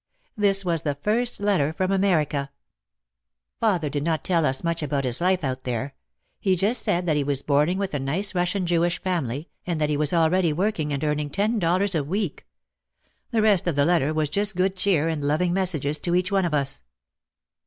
This was the first letter from America. Father did not tell us much about his life out there. He just said that he was boarding with a nice Russian Jewish family and that he was already working and earning ten dollars a week. The rest of the letter was just good cheer and loving messages to each one of us.